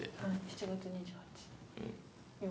７月２８夜。